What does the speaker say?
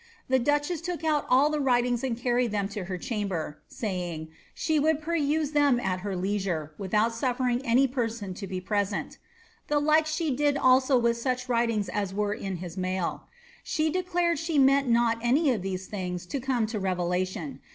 The duchess took out all the writings and carried them to her chamber, saying, she would peruse them at her leisure, without snfio* ing any person to be present The like she did also with such wcili^p as were in his mail. She declaied she meant not any of these things to come to revehuion.